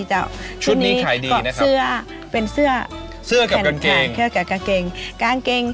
ชุดมีไขดีนะครับเสื้อกับกางเกง